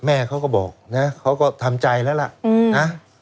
แม่เขาก็บอกนะเขาก็ทำใจแล้วล่ะนะ